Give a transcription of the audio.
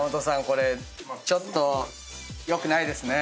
これちょっとよくないですね。